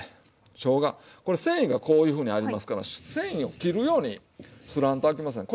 しょうがこれ繊維がこういうふうにありますから繊維を切るようにすらんとあきません。